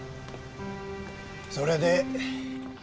それで。